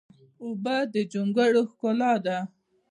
اوبه د جونګړو ښکلا ده.